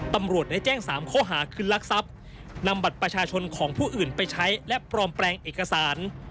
ตำรวจได้แจ้ง๓ข้อหาคือลักทรัพย์นำบัตรประชาชนของผู้อื่นไปใช้และปลอมแปลงเอกสาร